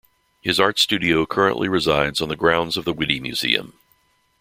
His art studio currently resides on the grounds of the Witte Museum.